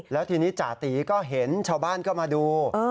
แล้วทีนี้จติก็เห็นชาวบ้านเข้ามาดู